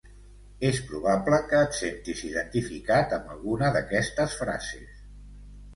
És probable que et sentis identificat amb alguna d'aquestes frases